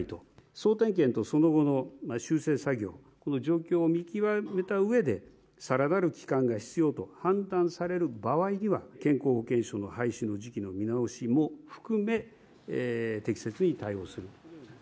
総点検とその後の修正作業、この状況を見極めたうえで、さらなる期間が必要と判断される場合には、健康保険証の廃止の時期の見直しも含め、適切に対応する。